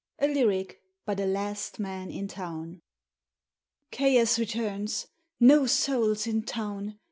A LYRIC, BY THE LAST MAN IN TOWN. Chaos returns! no soul's in town!